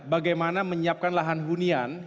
bagaimana menyiapkan lahan hunian